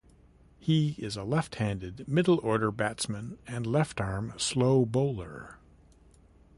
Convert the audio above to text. He is a left-handed middle order batsman and left arm slow bowler.